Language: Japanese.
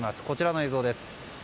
こちらの映像です。